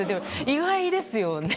意外ですよね。